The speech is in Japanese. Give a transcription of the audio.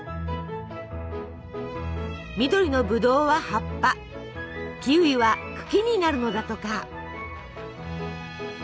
緑のブドウは葉っぱキウイは茎になるのだとか。